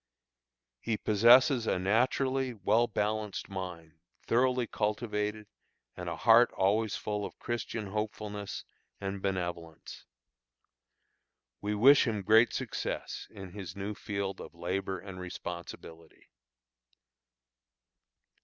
He possesses a naturally well balanced mind, thoroughly cultivated, and a heart always full of Christian hopefulness and benevolence. We wish him great success in his new field of labor and responsibility.